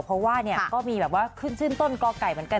เพราะว่าเนี่ยก็มีแบบว่าขึ้นชื่นต้นกไก่เหมือนกัน